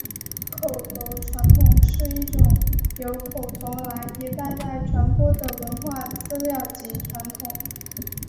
口头传统是一种由口头来一代代传播的文化资料及传统。